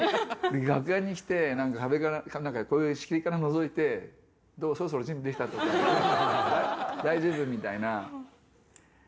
楽屋に来てなんか壁からこういう仕切りからのぞいて「どう？そろそろ準備できた？」とか「大丈夫？」みたいな。